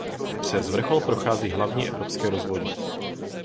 Přes vrchol prochází Hlavní evropské rozvodí.